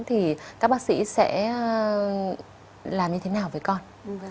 thì các bác sĩ sẽ làm như thế nào về con